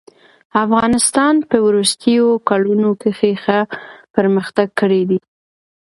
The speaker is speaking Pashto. افغانستان په وروستيو کلونو کښي ښه پرمختګ کړی دئ.